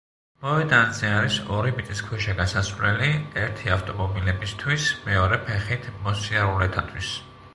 მოედანზე არის ორი მიწისქვეშა გასასვლელი: ერთი ავტომობილებისთვის, მეორე ფეხით მოსიარულეთათვის.